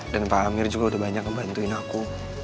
dan pak amir juga udah banyak ngebantuin aku